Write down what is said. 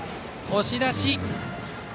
押し出し。